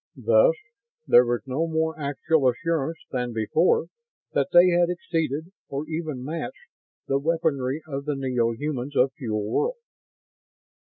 Thus there was no more actual assurance than before that they had exceeded, or even matched, the weaponry of the neo humans of Fuel World.